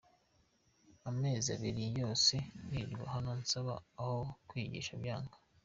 Amezi abiri yose nirirwa hano nsaba aho kwigisha byanga.